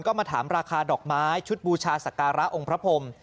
ก็มาถามราคาดอกไม้ชุดบูชาศักระองค์พระพรม